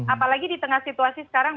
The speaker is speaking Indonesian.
apalagi di tengah situasi sekarang